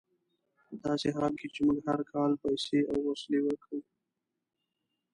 په داسې حال کې چې موږ هر کال پیسې او وسلې ورکوو.